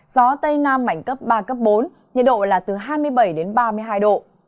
gió tây nam mảnh cấp ba bốn nhiệt độ là từ hai mươi bảy ba mươi hai độ